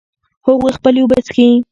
هغوی خپلې اوبه څښي